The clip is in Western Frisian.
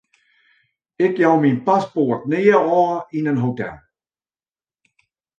Ik jou myn paspoart nea ôf yn in hotel.